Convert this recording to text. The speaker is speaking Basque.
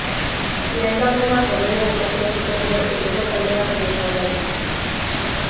Lehen laurdena hogeina bukatu bazuten ere, etxeko taldea erosoago aritu zen.